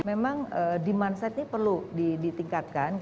memang demand side ini perlu ditingkatkan